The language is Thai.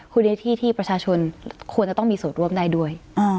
คุยในที่ที่ประชาชนควรจะต้องมีส่วนร่วมได้ด้วย